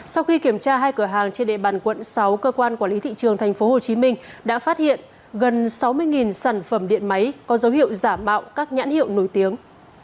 sau khi kiểm tra hai cửa hàng trên đệ bàn quận sáu cơ quan quản lý thị trường thành phố hồ chí minh đã phát hiện gần sáu mươi sản phẩm điện máy có dấu hiệu giả mạo các nhãn hiệu nổi tiếng